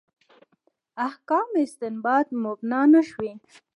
احکام استنباط مبنا نه شوي.